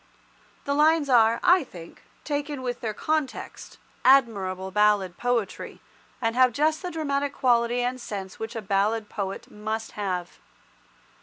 The lines are, I think, taken with their context, admirable ballad poetry, and have just the dramatic quality and sense which a ballad poet must have.